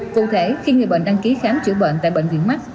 cụ thể khi người bệnh đăng ký khám chữa bệnh tại bệnh viện mắt